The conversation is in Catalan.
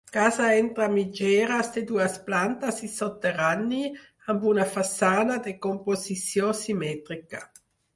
Casa entre mitgeres de dues plantes i soterrani, amb una façana de composició simètrica.